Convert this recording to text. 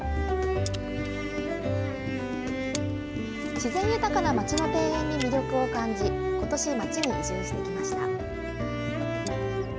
自然豊かな町の庭園に魅力を感じ、ことし、町に移住してきました。